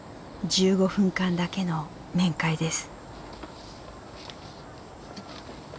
１５分間だけの面会です。